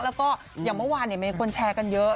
แล้วก็อย่างเมื่อวานมีคนแชร์กันเยอะ